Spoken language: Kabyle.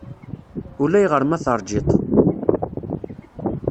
Ulayɣer ma teṛjiḍ-t.